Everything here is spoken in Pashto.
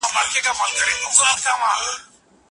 سپین ږيرتوب یې